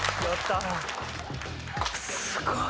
すごい。